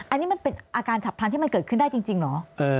อันนี้มันเป็นอาการฉับพลันที่มันเกิดขึ้นได้จริงเหรอ